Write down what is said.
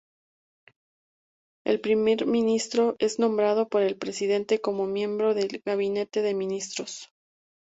El primer ministro es nombrado por el presidente como miembro del gabinete de ministros.